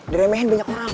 diremehin banyak orang